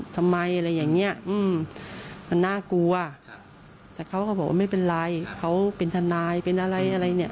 ทำไมอะไรอย่างเงี้ยอืมมันน่ากลัวแต่เขาก็บอกว่าไม่เป็นไรเขาเป็นทนายเป็นอะไรอะไรเนี่ย